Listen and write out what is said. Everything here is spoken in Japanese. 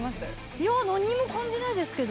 いや何も感じないですけど。